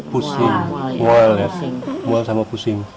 pusing mual ya mual sama pusing